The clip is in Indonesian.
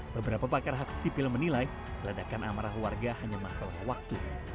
beberapa pakar hak sipil menilai ledakan amarah warga hanya masalah waktu